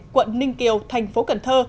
quận ninh kiều thành phố cần thơ